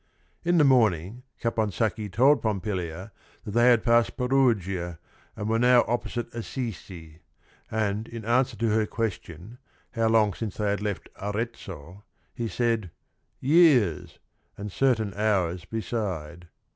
In the morning Caponsacchi told Pom pilia that they had passed Perugia and were now opposite Assisi — and in answer to her question, how long since they had left Arezzo, he said "Years — and certain hours beside."